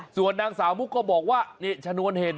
ส่วนนางสาวผู้ก็บอกว่าฉนวนเหตุ